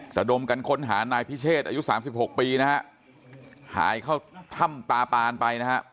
แต่โดมกันค้นหานายพิเชษอายุ๓๖ปีนะฮะหายเข้าถ้ำตาปานไปนะฮะ